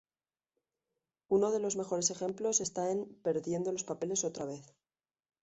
Uno de los mejores ejemplos está en "Perdiendo los papeles otra vez".